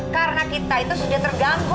karena kita itu sudah terganggu